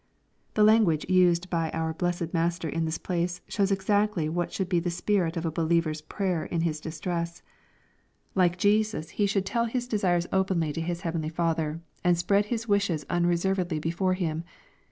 The language used by our blessed Master in this place shows exactly what should be the spirit of a believer's prayer in his distress. Like Jesus, he should tell his 422 EXPOSITORY THOUGHTS. desires openly to his heavenly Father, and spread His wishes unreservedly before Him.